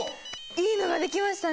いいのが出来ましたね。